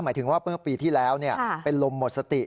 หมายถึงว่าเมื่อปีที่แล้วเป็นลมหมดสติ